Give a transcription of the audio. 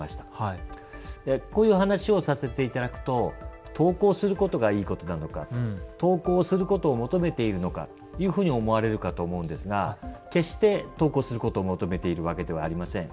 こういう話をさせて頂くと登校することがいいことなのか登校することを求めているのかというふうに思われるかと思うんですが決して登校することを求めているわけではありません。